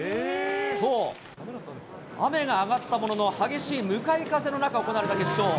そう、雨が上がったものの、激しい向かい風の中、行われた決勝。